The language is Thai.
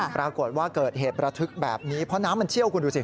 ปรากฏว่าเกิดเหตุระทึกแบบนี้เพราะน้ำมันเชี่ยวคุณดูสิ